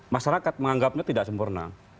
masyarakat menganggapnya tidak sempurna